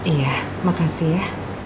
iya makasih ya